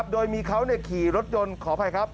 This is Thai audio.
โดยมีเขาขี่รถยนต์ขออภัยครับ